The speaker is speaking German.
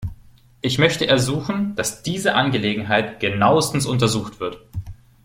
Ich möchte ersuchen, dass diese Angelegeneheit genauestens untersucht wird.